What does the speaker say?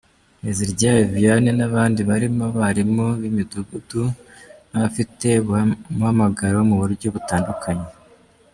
Nteziryayo Vianney n’abandi barimo abarimu b’imidugudu n’abafite umuhamagaro mu buryo butandukanye.